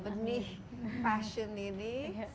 benih passion ini